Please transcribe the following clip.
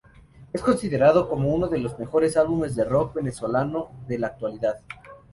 Es considerado como unos de los mejores álbumes del rock venezolano de la actualidad.